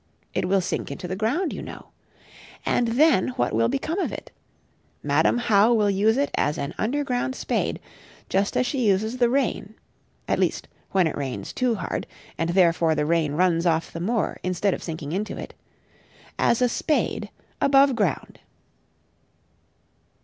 It will sink into the ground, you know. And then what will become of it? Madam How will use it as an underground spade, just as she uses the rain (at least, when it rains too hard, and therefore the rain runs off the moor instead of sinking into it) as a spade above ground.